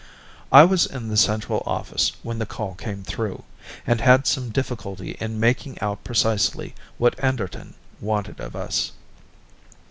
I was in the central office when the call came through, and had some difficulty in making out precisely what Anderton wanted of us.